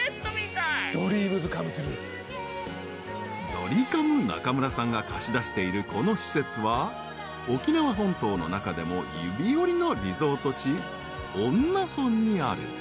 ［ドリカム中村さんが貸し出しているこの施設は沖縄本島の中でも指折りのリゾート地恩納村にある］